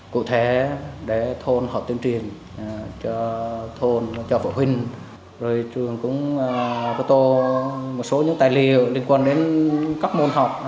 cho thôn cho phụ huynh rồi trường cũng có tô một số những tài liệu liên quan đến cấp môn học